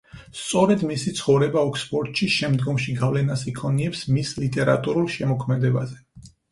სწორედ მისი ცხოვრება ოქსფორდში შემდგომში გავლენას იქონიებს მის ლიტერატურულ შემოქმედებაზე.